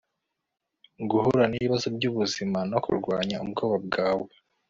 guhura n'ibibazo by'ubuzima no kurwanya ubwoba bwawe